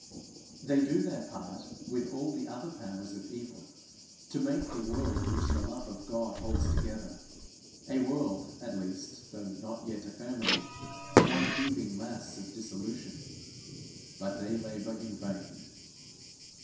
They do their part with all the other powers of evil to make the world which the love of God holds together a world at least, though not yet a family one heaving mass of dissolution. But they labour in vain.